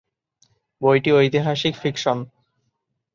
বইটি ঐতিহাসিক ফিকশন।